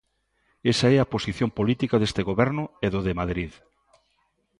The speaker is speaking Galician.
Esa é a posición política deste goberno e do de Madrid.